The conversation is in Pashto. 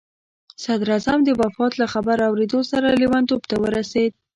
صدراعظم د وفات له خبر اورېدو سره لیونتوب ته ورسېد.